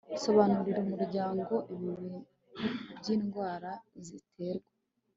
sobanurira umuryango ibibi by'indwara ziterwa